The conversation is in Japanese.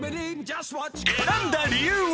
選んだ理由は？